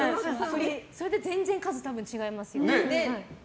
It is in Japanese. それで全然数違いますよ。